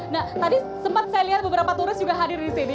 nah tadi sempat saya lihat beberapa turis juga hadir di sini